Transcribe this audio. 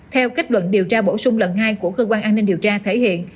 theo kết luận điều tra bổ sung lần hai của cơ quan an ninh điều tra thể hiện